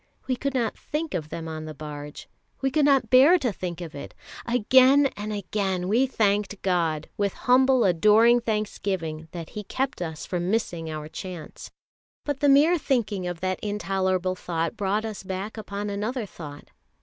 We could not think of them on the barge. We could not bear to think of it again and again we thanked God, with humble adoring thanksgiving, that He kept us from missing our chance. But the mere thinking of that intolerable thought brought us back upon another thought.